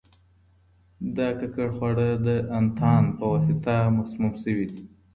دا ککړ خواړه د انتان په واسطه مسموم شوي دي.